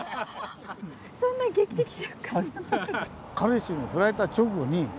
そんな劇的瞬間。